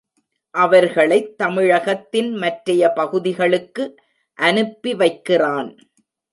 அவர்களைத் தமிழகத்தின் மற்றைய பகுதிகளுக்கு அனுப்பி வைக்கிறான்.